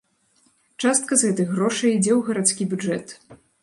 Частка з гэтых грошай ідзе ў гарадскі бюджэт.